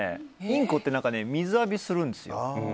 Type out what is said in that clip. インコって水浴びするんですよ。